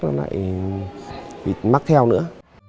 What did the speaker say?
nó lại bị mắc theo nữa